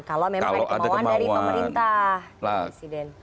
kalau memang ada kemauan dari pemerintah presiden